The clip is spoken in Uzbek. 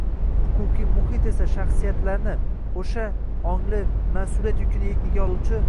huquqiy muhit esa shaxsiyatlarni — o‘sha, ongli, mas’uliyat yukini egniga oluvchi